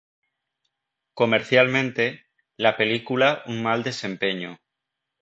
Comercialmente, la película un mal desempeño.